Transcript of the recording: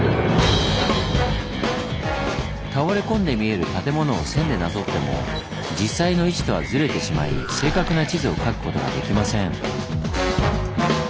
倒れ込んで見える建物を線でなぞっても実際の位置とはずれてしまい正確な地図を描くことができません。